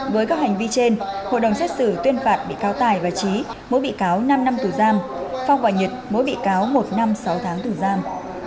với các hành vi trên hội đồng xét xử tuyên phạt bị cáo tài và trí mỗi bị cáo năm năm tù giam phong hoài nhật mỗi bị cáo một năm sáu tháng tù giam